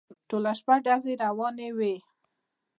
ټوله شپه ډزې روانې وې.